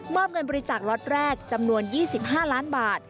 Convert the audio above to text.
เงินบริจาคล็อตแรกจำนวน๒๕ล้านบาท